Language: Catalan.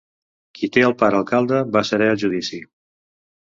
Qui té el pare alcalde va serè al judici.